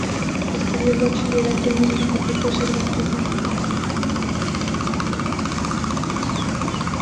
Estudió el bachillerato en el Instituto Cervantes de Madrid.